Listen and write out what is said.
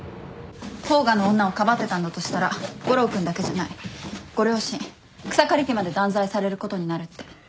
甲賀の女をかばってたんだとしたら悟郎君だけじゃないご両親草刈家まで断罪されることになるって。